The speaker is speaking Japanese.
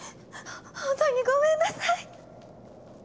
ほんとにごめんなさい。